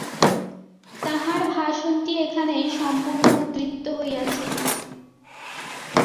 তাঁহার ভাষণটি এখানে সম্পূর্ণ উদ্ধৃত হইতেছে।